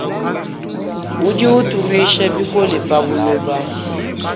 Udi utuluisha bikola habuloba.